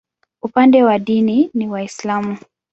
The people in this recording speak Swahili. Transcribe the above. Upande wa dini ni Waislamu.